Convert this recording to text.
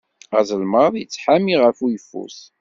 Azelmaḍ yettḥami ɣef uyeffus.